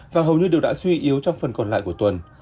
và hầu như đều đã suy yếu trong phần còn lại của tuần